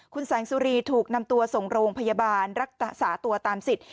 คุณแสงสุรีถูกนำตัวส่งโรงพยาบาลรักษาตัวตามสิทธิ